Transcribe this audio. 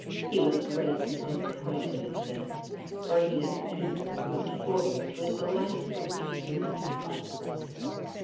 He was greatly < appointed at this, for he had eagerly looked forward t delightful evening at the Opera.